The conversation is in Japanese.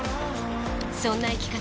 そんな生き方